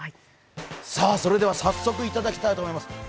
さぁ、それでは早速頂きたいと思います。